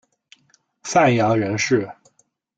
范阳人氏。